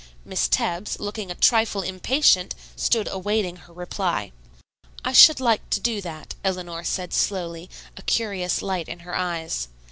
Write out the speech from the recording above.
Miss Tebbs, looking a trifle impatient, stood awaiting her reply. "I should like to do that," Eleanor said slowly, a curious light in her eyes.